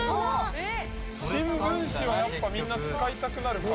新聞紙はやっぱみんな使いたくなるか。